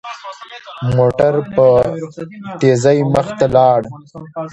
موټر په تېزۍ مخ ته لاړ.